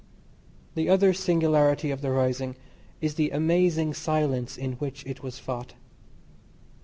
The other singularity of the rising is the amazing silence in which it was fought.